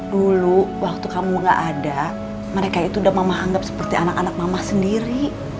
dulu waktu kamu gak ada mereka itu udah mama anggap seperti anak anak mama sendiri